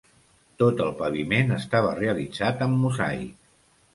Tot el paviment estava realitzat amb mosaic.